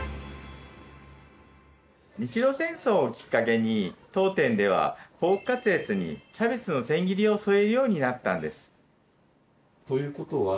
日露戦争をきっかけに当店ではポークカツレツにキャベツの千切りを添えるようになったんです。